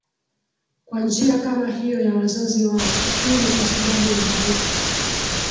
kwa njia kama hiyo ya wazazi wao Hii ni kwa sababu udhaifu